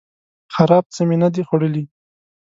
خراب څه می نه دي خوړلي